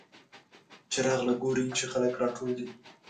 چې راغله ګوري چې خلک راټول دي.